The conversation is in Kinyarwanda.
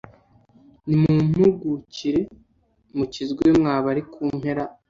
Nimumpugukire mukizwe mwa bari ku mpera